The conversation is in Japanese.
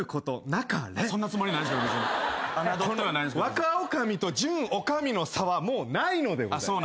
若女将と準女将の差はもうないのでございます。